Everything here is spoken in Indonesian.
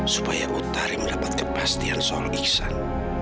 supaya utari mendapat kepastian soal ihsan